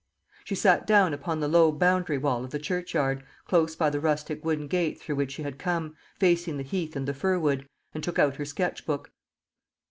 She sat down upon the low boundary wall of the churchyard, close by the rustic wooden gate through which she had come, facing the heath and the firwood, and took out her sketch book.